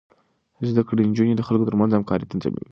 زده کړې نجونې د خلکو ترمنځ همکاري تنظيموي.